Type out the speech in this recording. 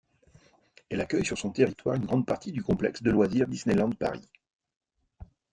Elle accueille sur son territoire une grande partie du complexe de loisirs Disneyland Paris.